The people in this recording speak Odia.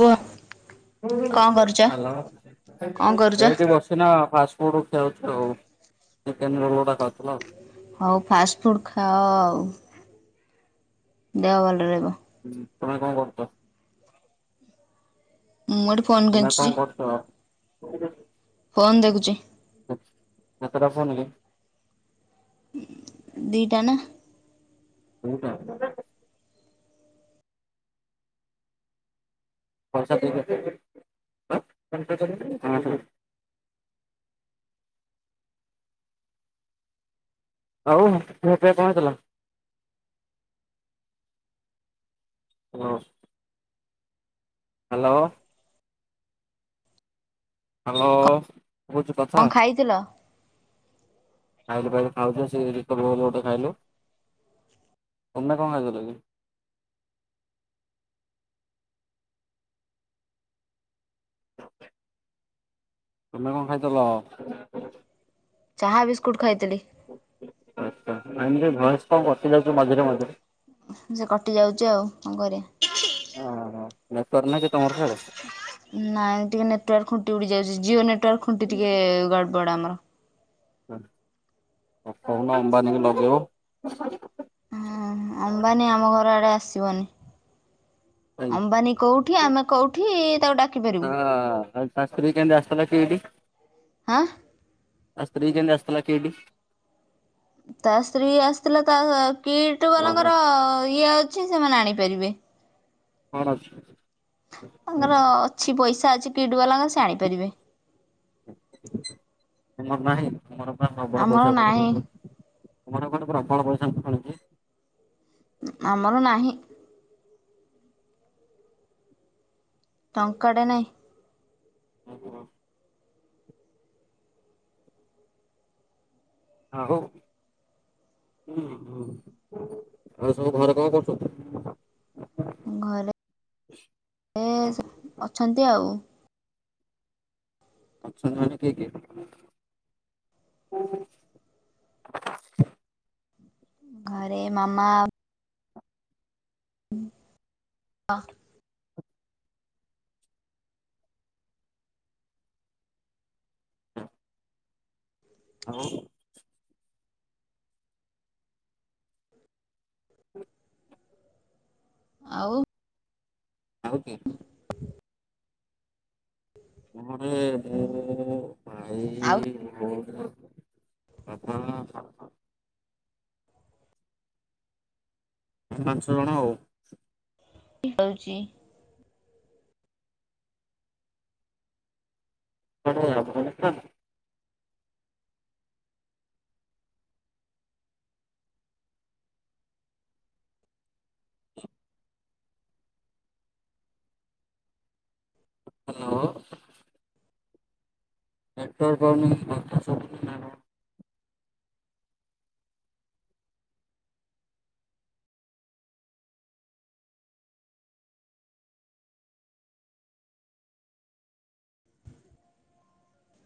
କୁହ? କଣ କରୁଛ? ହ୍ୟାଲୋ ଅ କଣ କରୁଛ? ଏଇଠି ବସିଛି। ସଛିିନା ଫାଷ୍ଟଫୁଡ଼ ରଖିଆାଉଛୁ ଆଉ ଚିକେନ ରୋଲ ଗୁଡ଼ା ଖାଉଥିଲ ଆଉ ହଉ ଫାଷ୍ଟ ଫୁଡ଼୍ ଖାଅ ଆଉ ଦେହ ଭଲ ରହିବ ହୁଁ ତୁମେ କଣ କରୁଛ? ମୁଁ ଫୋନ ତୁମେ କେଞ୍ଚୁଛି କଣ କରୁଛ? ଫୋନ୍ ଦେଖୁଛି। କେ କେତେଟା ଫୋନ କି? ଦିଟା ନା। ଦି ଟା? [unintelligible] ଆଉ [unintelligible] ରେ କଣ ଥିଲା? ହଁ। ହେଲୋ। ହେଲୋ। କଣ ଖାଇଥିଲ? ଖାଇଲୁ ଖାଇଲି ଖାଉଛ ସେ ରିକଭଲୁ ଗୋଟେ ଖାଇଲୁ ତମେ କଣ ଖାଇଥିଲ କି? ତୁମେ କଣ ଖାଇଥିଲ? ଚାହା ବିସ୍କୁଟ୍ ଖାଇଥିଲି। ଆଛା ଆମତି ଭୟସ୍ କଣ କଟିଯାଉଛି ମଝିରେ ମଝିରେ? ସେ କଟିଯାଉଛି ଆଉ କଣ କରିବା। ହଁ ହ ନେଟୱର୍କ ନାହିଁ କି ତମର ସିଆଡେ? ନାଇଁ ଟିକେ ନେଟୱାର୍କ ଖୁଣ୍ଟି ଉଡି ଯାଉଛି ଜିଓ ନେଟୱାର୍କ ଖୁଣ୍ଟି ଟିକେ ଗଡ ବଡ ଆମର। କହୁନା ଆମ୍ବାନୀକୁ ଲଗେଇବ? ହଁ ଅମ୍ବାନୀ ଆମ ଘର ଆଡେ ଆସିବନି। ତା ଅମ୍ବାନୀ କୋଉଠି ଆମେ କୋଉଠି ତାକୁ ଡାକି ପାରିବୁ। ତା ସ୍ତ୍ରୀ କେମିତି ଆସଥିଲା ଏଠି? ହାଁ ତା ସ୍ତ୍ରୀ କେମିତି ଆସିଥିଲା? [unintelligible] ତା ସ୍ତ୍ରୀ ଆସିଥିଲା ତା କିଟ ରହ ବାଲାଙ୍କର ରହ ଇଏ ଅଛି ସେମାନେ ଆଣିପାରିବେ। କଣ ଅଛି? ତାଙ୍କର ଅଛି ପଇସା ଅଛି କିଟ ବାଲାଙ୍କର ସେ ଆଣିପାରିବେ। ଠିକ ତମର ନାହିଁ ତମର ପ୍ରବଳ ଆମର ପଇସା କୁ ନାହିଁ ମୁୁ ତମର କଟେ ପ୍ରବଳ ପଇସା ମୁଁ ଖଳୁଛି ଆମର ନାହିଁ। ଟଙ୍କାଟେ ନାହିଁ। ଓହୋ ଆଉ। ହୁଁ ହୁଁ ଆଉ ସବୁ ଘରେ କଣ କରୁଛନ୍ତି? ଘରେ ଏ ଅଛନ୍ତି ଆଉ। ଅଛନ୍ତି ମାନେ କିଏ କିଏ? ଘରେ ମାମା [unintelligible] ଆଉ ଆଉ ଆଉ କିଏ? ଘରେ [unintelligible] ଭାଇ ଆଉ ଭଉଣୀ ବାପା ମା ଚାରି ପାଞ୍ଚ ଜଣ ଆଉ। ହଉଛି। [unintelligible] ହେଲୋ। ନେଟୱାର୍କ୍ ପାଉନି କି କଥା ଶୁଭୁନି? ନା କଣ